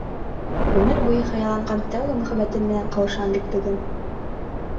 Ғүмер буйы хыялланған тәүге мөхәббәтем менән ҡауышам бит бөгөн!